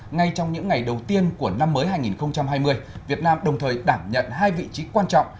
ngay trong những ngày đầu tiên của năm mới hai nghìn hai mươi việt nam đồng thời đảm nhận hai vị trí quan trọng